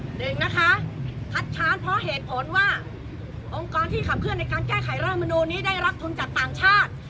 หนึ่งนะคะคัดค้านเพราะเหตุผลว่าองค์กรที่ขับเคลื่อนในการแก้ไขรัฐมนูลนี้ได้รับทุนจากต่างชาติ